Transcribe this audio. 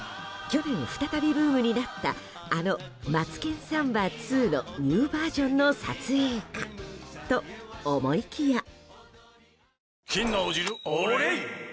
去年再びブームになったあの「マツケンサンバ２」のニューバージョンの撮影かと思いきや。